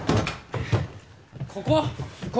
ここ？